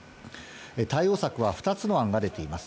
対応策は２つの案が出ています。